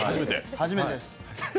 初めてです。